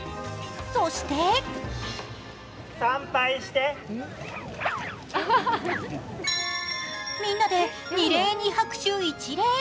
そしてみんなで２礼２拍手１礼。